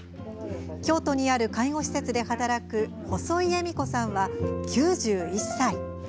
京都にある介護施設で働く細井恵美子さんは、９１歳。